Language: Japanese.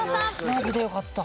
マジでよかった。